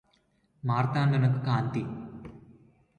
మార్తాండునకు కాంతి